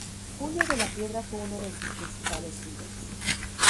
Julio de la Piedra fue uno de sus principales líderes.